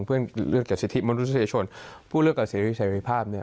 เรื่องเกี่ยวกับสิทธิ์มนุษยชนพูดเรื่องเกี่ยวกับสิทธิ์ชัยวิภาพเนี่ย